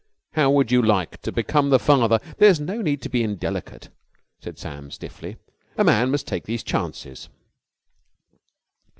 How would you like to become the father...?" "There is no need to be indelicate," said Sam stiffly. "A man must take these chances."